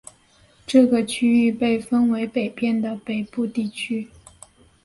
这个区域被分为北边的北部地区。